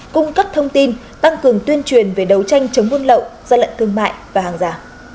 cung cấp thông tin tăng cường tuyên truyền về đấu tranh chống buôn lậu gian lận thương mại và hàng giả